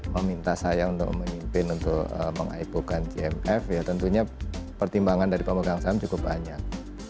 meminta saya untuk memimpin untuk mengaipokan gmf ya tentunya pertimbangan dari pemegang saham cukup banyak